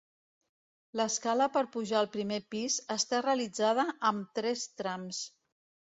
L'escala per pujar al primer pis està realitzada amb tres trams.